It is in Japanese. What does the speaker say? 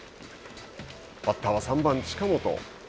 バッターは３番近本。